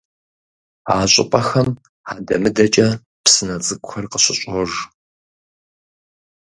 А щӏыпӏэхэм адэ-мыдэкӏэ псынэ цӏыкӏухэр къыщыщӏож.